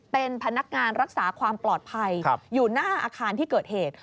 เป็นพนักงานรักษาความปลอดภัยอยู่หน้าอาคารที่เกิดเหตุ